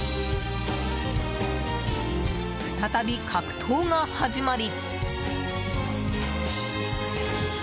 再び、格闘が始まり。